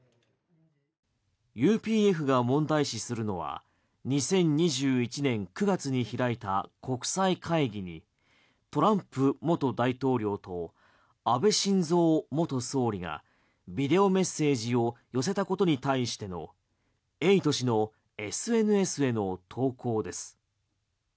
ＵＰＦが問題視するのは２０２１年９月に開いた国際会議にトランプ元大統領と安倍晋三元総理がビデオメッセージを寄せたことに対してのエイト氏のＳＮＳへの投稿です。